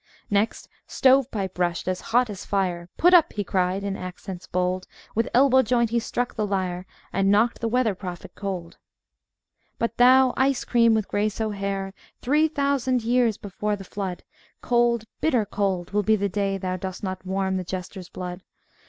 Next Stove Pipe rushed, as hot as fire, "Put up!" he cried, in accents bold; With Elbow joint he struck the lyre, And knocked the Weather Prophet cold. But thou, Ice Cream, with hair so gray, Three thousand years before the Flood, Cold, bitter cold, will be the day Thou dost not warm the Jester's blood.